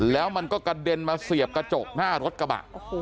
แล้วมันก็กระเด็นมาเสียบกระจกหน้ารถกระบะ